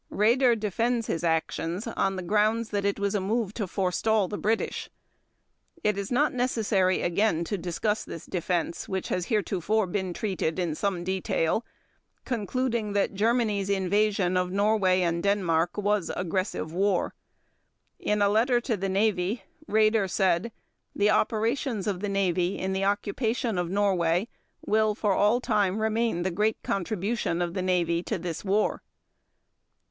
Raeder defends his actions on the ground it was a move to forestall the British. It is not necessary again to discuss this defense, which has heretofore been treated in some detail, concluding that Germany's invasion of Norway and Denmark was aggressive war. In a letter to the Navy, Raeder said: "The operations of the Navy in the occupation of Norway will for all time remain the great contribution of the Navy to this war."